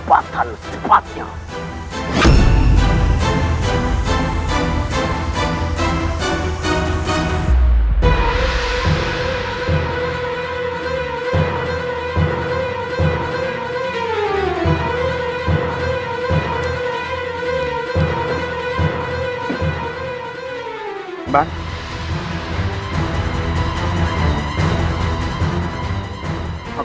baik kita seperti yang biasa